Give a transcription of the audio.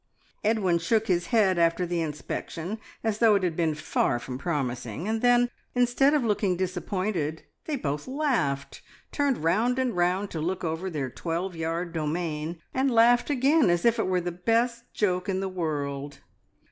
Edwin shook his head after the inspection, as though it had been far from promising, and then, instead of looking disappointed, they both laughed, turned round and round to look over their twelve yard domain, and laughed again as if it were the best joke in the world.